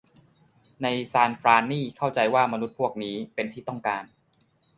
ในซานฟรานนี่เข้าใจว่ามนุษย์พวกนี้เป็นที่ต้องการ